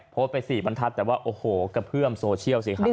โพสต์ไป๔บรรทัศน์แต่ว่าโอ้โหกระเพื่อมโซเชียลสิครับ